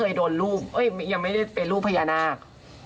ยังไม่ได้เป็นรูปพญานาก